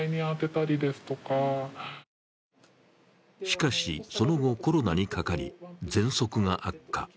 しかし、その後、コロナにかかりぜんそくが悪化。